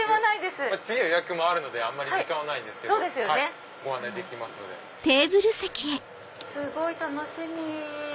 すごい楽しみ！